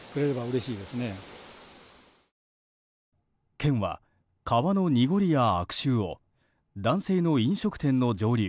県は、川の濁りや悪臭を男性の飲食店の上流